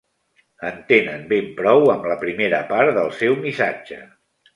En tenen ben bé prou amb la primera part del seu missatge.